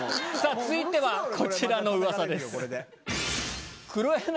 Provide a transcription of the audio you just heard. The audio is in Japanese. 続いてはこちらの噂です。